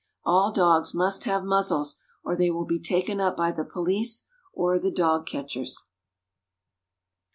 All dogs must have muzzles, or they will be taken up by the police or the dog catchers.